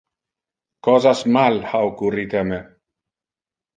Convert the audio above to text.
Cosas mal ha occurrite a me.